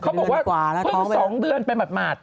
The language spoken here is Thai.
เขาบอกว่าเพิ่ง๒เดือนไปหมาด